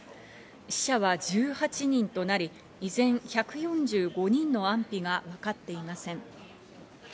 死者は１８人となり、依然１４５人の安否が分かっていません。